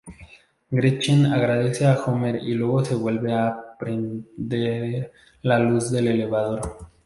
Gretchen agradece a Homer y luego se vuelve a prender la luz del elevador.